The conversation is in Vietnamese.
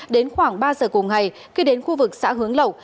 đến khoảng ba giờ cùng ngày khi đến khu vực xã hướng lộ